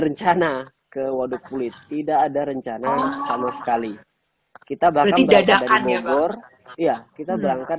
rencana ke waduk kulit tidak ada rencana sama sekali kita bahkan belajar dari bogor ya kita berangkat